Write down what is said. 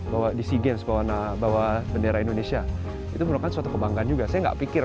bahwa di seagate bahwa bendera indonesia itu merupakan suatu kebanggaan juga saya nggak pikir